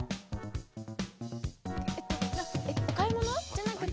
おかいものじゃなくて？